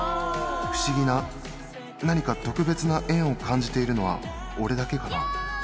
不思議な何か特別な縁を感じているのは、俺だけかな。